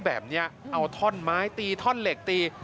แบบนี้เอาท่อนไม้ตีท่อนเหล็กตี